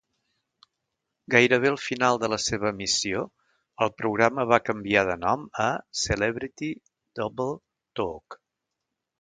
Gairebé al final de la seva emissió, el programa va canviar de nom a "Celebrity Double Talk".